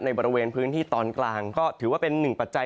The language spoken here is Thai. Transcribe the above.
บริเวณพื้นที่ตอนกลางก็ถือว่าเป็นหนึ่งปัจจัย